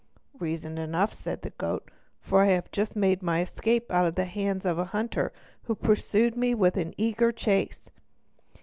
"Reason enough," said the goat; "for I have just made my escape out of the hands of a hunter, who pursued me with an eager chase."